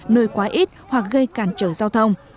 nơi quá ít hoặc gây cản trở giao thông